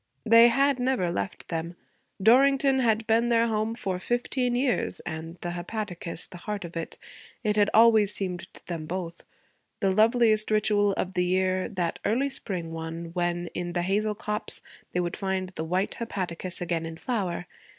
They had never left them. Dorrington had been their home for fifteen years, and the hepaticas the heart of it, it had always seemed to them both; the loveliest ritual of the year that early spring one when, in the hazel copse, they would find the white hepaticas again in flower.